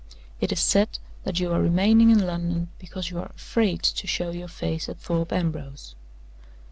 It is said that you are remaining in London because you are afraid to show your face at Thorpe Ambrose.